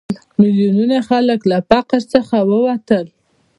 میلیونونه خلک له فقر څخه ووتل.